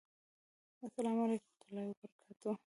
السلام علیکم ورحمة الله وبرکاته!